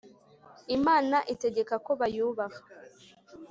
imana itegeka ko bayubaha